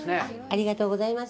ありがとうございます。